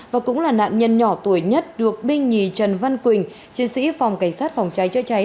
và cũng là nạn nhân nhỏ tuổi nhất được binh nhì trần văn quỳnh chiến sĩ phòng cảnh sát phòng cháy chữa cháy